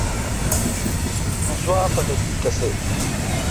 اوں سوا پاٹکیل تسی۔